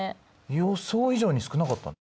予想以上に少なかった。